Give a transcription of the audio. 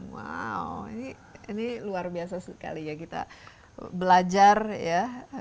wow ini luar biasa sekali ya kita belajar ya